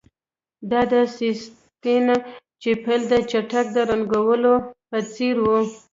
دا د سیسټین چیپل د چت د رنګولو په څیر و